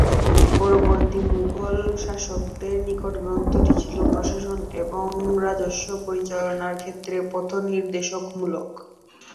পরবর্তী মুগল শাসকদের নিকট গ্রন্থটি ছিল প্রশাসন এবং রাজস্ব পরিচালনার ক্ষেত্রে পথনির্দেশক মূলক।